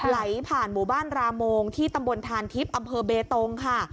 ไหลผ่านหมู่บ้านราโมงที่ตำบลทานทิพย์อำเภอเบตงค่ะ